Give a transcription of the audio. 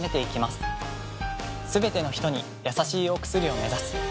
すべてのひとにやさしいお薬を目指す。